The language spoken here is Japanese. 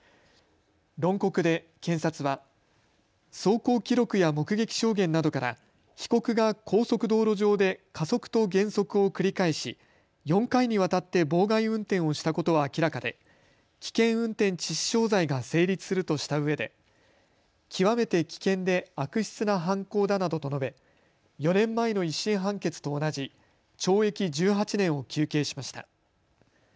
論告で検察は走行記録や目撃証言などから被告が高速道路上で加速と減速を繰り返し４回にわたって妨害運転をしたことは明らかで危険運転致死傷が成立するとしたうえで極めて危険で悪質な犯行だなどと述べ４年前の１審判決と同じ懲役１８年を求刑しました。